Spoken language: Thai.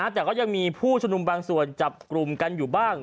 แต่ก็ยังมีผู้ชุมนุมบางส่วนจับกลุ่มกันอยู่บ้าง